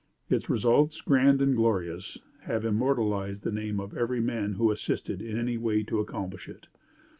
Its results, grand and glorious, have immortalized the name of every man who assisted, in any way, to accomplish it.